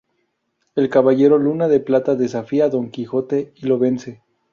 El Caballero Luna de Plata desafía a Don Quijote y lo vence.